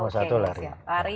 lari sepeda trekking